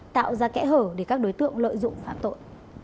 tạo ra kẽ hở để các đối tượng lợi dụng phạm tội